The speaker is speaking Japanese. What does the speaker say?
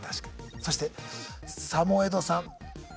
そしてサモエドさん。